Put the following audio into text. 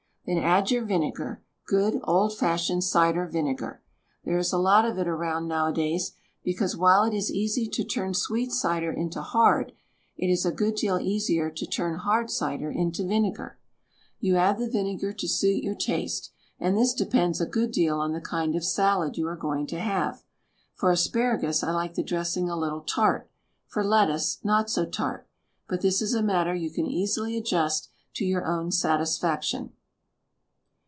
Then add your vinegar WRITTEN FOR MEN BY MEN — good, old fashioned cider vinegar. There is a lot of it around nowadays because, while it is easy to turn sweet cider into hard, it is a good deal easier to turn hard cider into vinegar. You add the vinegar to suit your taste — and this depends a good deal on the kind of salad you are going to have. For asparagus I like the dressing a little tart. For lettuce, not so tart. But this is a matter you can easily adjust to your own satisfaction.